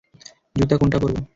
জুতা কোনটা পরবো?